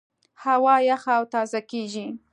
هوا یخه او تازه کېږي.